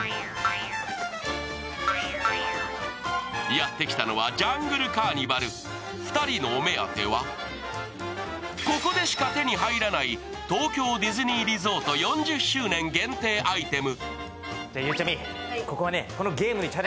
やってきたのはジャングルカーニバル、２人のお目当てはここでしか手に入らない東京ディズニーリゾート４０周年限定アイテム。